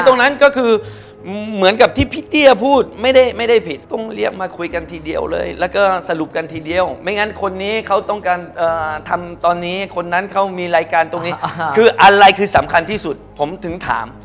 ตรงนั้นก็คือเหมือนกับที่พี่เตี้ยพูดไม่ได้ผิดต้องเรียกมาคุยกันทีเดียวเลยแล้วก็สรุปกันทีเดียวไม่งั้นคนนี้เขาต้องการทำตอนนี้คนนั้นเขามีรายการตรงนี้คืออะไรคือสำคัญที่สุดผมถึงถาม